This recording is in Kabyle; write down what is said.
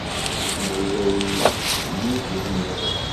Yezmer i wayen m-ur tezmireḍ.